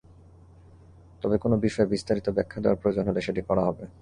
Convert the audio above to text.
তবে কোনো বিষয়ে বিস্তারিত ব্যাখ্যা দেওয়ার প্রয়োজন হলে সেটি করা হবে।